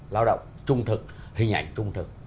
lao động trung thực hình ảnh trung thực